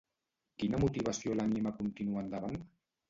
Quina motivació l'anima a continuar endavant?